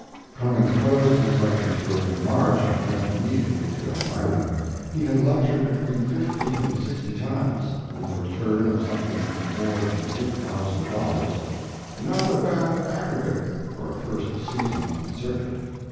Clemens closed his lecture tour in March, acid went immediately to Elmira. He had lectured between fifty and sixty times, with a return of something more than $8,000, not a bad aggregate for a first season on the circuit.